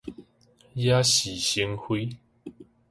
惹是生非